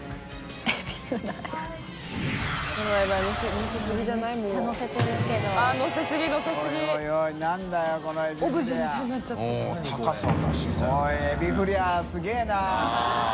おいエビフリャすげぇな。